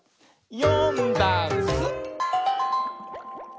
「よんだんす」